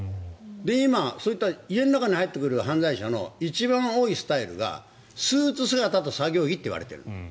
今、そういった家の中に入ってくる犯罪者の一番多いスタイルがスーツ姿と作業着といわれている。